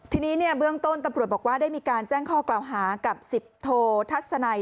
ทีนี้เนี่ยเบื้องต้นตำรวจบอกว่าได้มีการแจ้งข้อกล่าวหากับ๑๐โททัศนัย